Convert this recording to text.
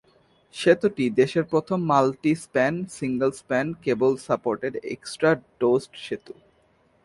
সেতুটি দেশের প্রথম মাল্টি-স্প্যান, সিঙ্গল-স্প্যান কেবল-সাপোর্টেড এক্সট্রা-ডোজড সেতু।